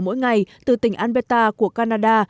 mỗi ngày từ tỉnh alberta của canada